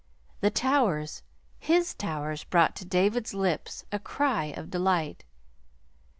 The towers his towers brought to David's lips a cry of delight.